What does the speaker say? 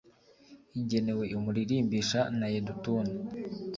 igenewe umuririmbisha, na yedutuni